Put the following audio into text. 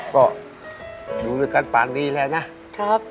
ก็อยู่ด้วยกันป๋านดี้ในแห่งหนึ่ง